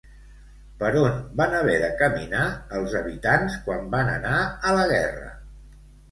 Per on van haver de caminar, els habitants, quan van anar a la guerra?